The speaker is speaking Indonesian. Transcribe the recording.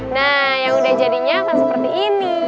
nah yang udah jadinya akan seperti ini